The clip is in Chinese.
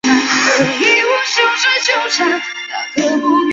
针茎姬石蛾为姬石蛾科姬石蛾属下的一个种。